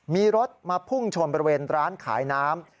มีรถมาพุ่งชนบริเวณร้านขายน้ำ